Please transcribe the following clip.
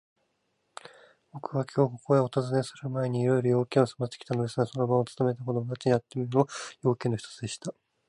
ぼくはきょう、ここへおたずねするまえに、いろいろな用件をすませてきたのですが、その門番をつとめた子どもに会ってみるのも、用件の一つでした。